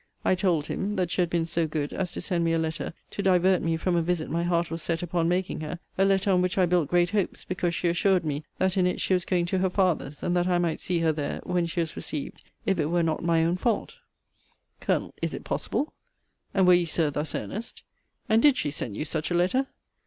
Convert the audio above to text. I told him, 'that she had been so good as to send me a letter to divert me from a visit my heart was set upon making her: a letter on which I built great hopes, because she assured me that in it she was going to her father's; and that I might see her there, when she was received, if it were not my own fault. Col. Is it possible? And were you, Sir, thus earnest? And did she send you such a letter?